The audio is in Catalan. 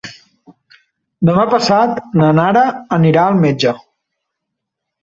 Demà passat na Nara anirà al metge.